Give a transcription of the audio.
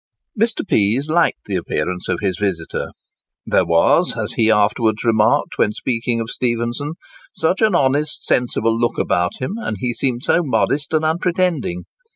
Mr. Pease liked the appearance of his visitor: "there was," as he afterwards remarked when speaking of Stephenson, "such an honest, sensible look about him, and he seemed so modest and unpretending.